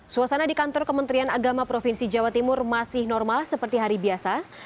suasana di kantor kementerian agama provinsi jawa timur masih normal seperti hari biasa